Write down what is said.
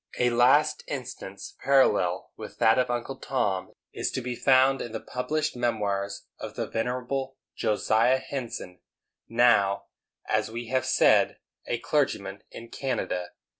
A last instance parallel with that of Uncle Tom is to be found in the published memoirs of the venerable Josiah Henson, now, as we have said, a clergyman in Canada.